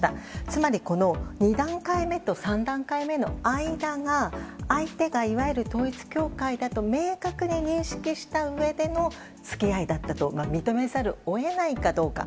つまり、この２段階目と３段階目の間が相手がいわゆる統一教会だと明確に認識したうえでの付き合いだったと認めざるを得ないかどうか。